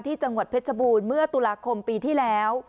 จังหวัดเพชรบูรณ์เมื่อตุลาคมปีที่แล้ว